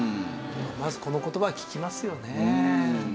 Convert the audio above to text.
まずこの言葉は利きますよね。